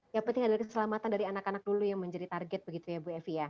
yang penting adalah keselamatan dari anak anak dulu yang menjadi target begitu ya bu evi ya